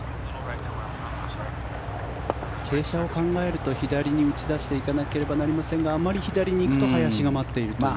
傾斜を考えると左に打ち出していかなければなりませんがあまり左に行くと林が待っているという。